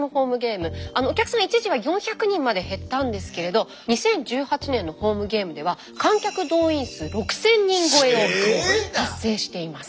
お客さん一時は４００人まで減ったんですけれど２０１８年のホームゲームでは観客動員数６，０００人超えを達成しています。